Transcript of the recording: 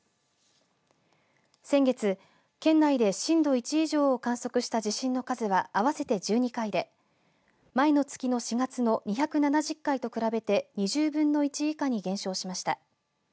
先月、県内で震度１以上を観測した地震の数は合わせて１２回で前の月の２７０回と比べて２０分の１以下に減少しました。